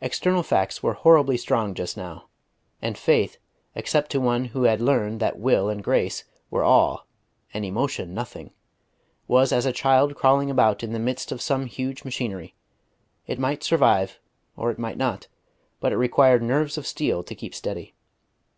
External facts were horribly strong just now; and faith, except to one who had learned that Will and Grace were all and emotion nothing, was as a child crawling about in the midst of some huge machinery: it might survive or it might not; but it required nerves of steel to keep steady.